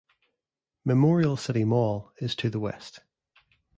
Memorial City Mall is to the west.